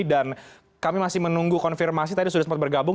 dan kami masih menunggu konfirmasi tadi sudah sempat bergabung